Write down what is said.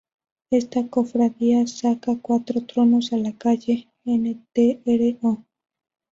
Esta cofradía saca cuatro tronos a la calle: Ntro.